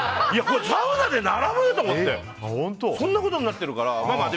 サウナで並ぶ？と思ってそんなことになってるからさ。